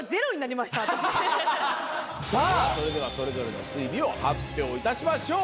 さあそれではそれぞれの推理を発表いたしましょう！